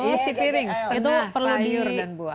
iya isi piring setengah sayur dan buah